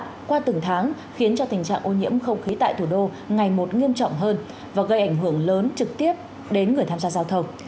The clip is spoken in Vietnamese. qua từng tháng khiến tình trạng ô nhiễm không khí tại thủ đô ngày một nghiêm trọng hơn và gây ảnh hưởng lớn trực tiếp đến người tham gia giao thông